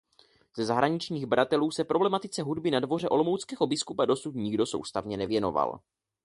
Ze zahraničních badatelů se problematice hudby na dvoře olomouckého biskupa dosud nikdo soustavně nevěnoval.